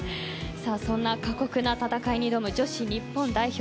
そんな過酷な戦いに挑む女子日本代表。